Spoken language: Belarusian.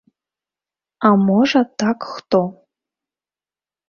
А можа, так хто.